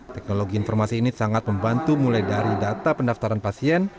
teknologi informasi ini sangat membantu mulai dari data pendaftaran pasien